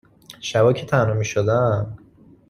شبا که تنها می شدم